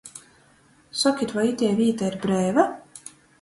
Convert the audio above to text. Sokit, voi itei vīta ir breiva?